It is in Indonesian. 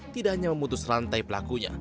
tidak hanya memutus rantai pelakunya